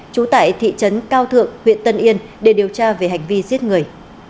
trú tại thị trấn cao thượng huyện tân yên để điều tra về hành vi giết người